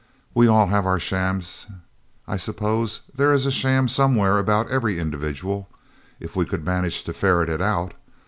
We all have our shams I suppose there is a sham somewhere about every individual, if we could manage to ferret it out.